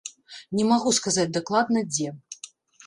Не магу сказаць дакладна, дзе.